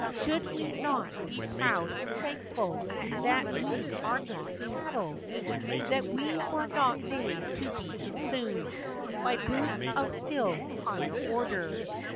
Should we not be proud and thankful That we are not cattle ? That we Were not made to be consumed by Brutes of a still higher order